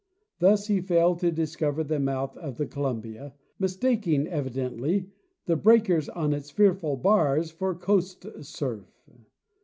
Thus he failed to discover the mouth of the Columbia, mistak ing evidently the breakers on its fearful bars for coast surf."